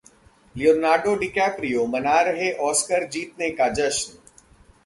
Leonardo DiCaprio मना रहे Oscar जीतने का जश्न